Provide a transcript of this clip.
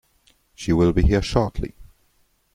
She will be here shortly.